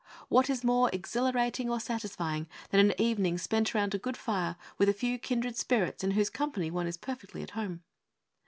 What is more exhilarating or satisfying than an evening spent round a good fire with a few kindred spirits in whose company one is perfectly at home?